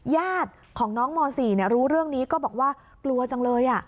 ญาติของน้องม๔รู้เรื่องนี้ก็บอกว่ากลัวจังเลย